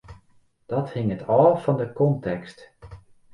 Dat hinget ôf fan de kontekst.